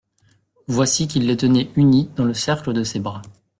Voici qu'il les tenait unies dans le cercle de ses bras.